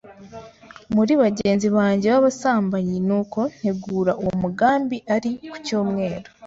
muri bagenzi banjye b’abasambanyi, nuko ntegura uwo mugambi ari ku cyumweru,